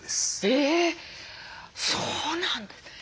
えそうなんだ。